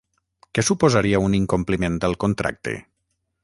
Què suposaria un incompliment del contracte?